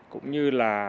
cũng như là